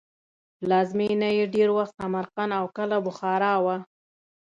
پلازمینه یې ډېر وخت سمرقند او کله بخارا وه.